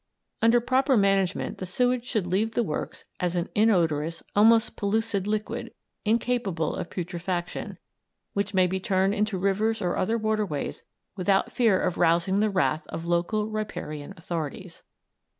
Under proper management the sewage should leave the works as an inodorous, almost pellucid liquid, incapable of putrefaction, which may be turned into rivers or other waterways without fear of rousing the wrath of local riparian authorities.